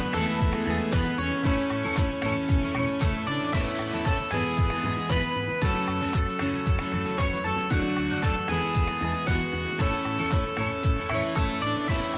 โปรดติดตามตอนต่อไป